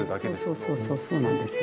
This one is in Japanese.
そうそうそうそうなんですよ。